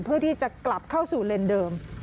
เพื่อที่จะกลับเข้าสู่เลนส์เดิม